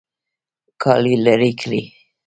کالي لرې کړئ